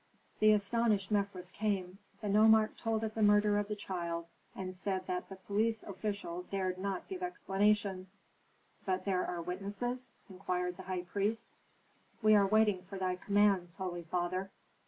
The astonished Mefres came. The nomarch told of the murder of the child, and said that the police official dared not give explanations. "But are there witnesses?" inquired the high priest. "We are waiting for thy commands, holy father."